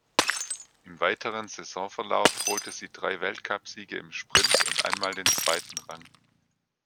Im weiteren Saisonverlauf holte sie drei Weltcupsiege im Sprint und einmal den zweiten Rang.